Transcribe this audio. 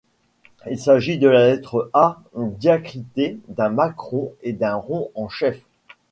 Il s’agit de la lettre A diacritée d’un macron et d’un rond en chef.